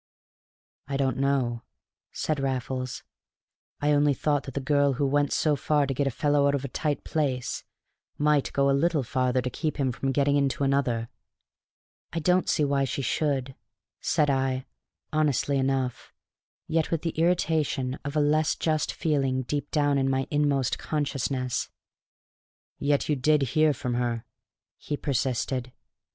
"I don't know," said Raffles. "I only thought that the girl who went so far to get a fellow out of a tight place might go a little farther to keep him from getting into another." "I don't see why she should," said I, honestly enough, yet with the irritation of a less just feeling deep down in my inmost consciousness. "Yet you did hear from her?" he persisted.